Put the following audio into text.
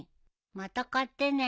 また買ってね。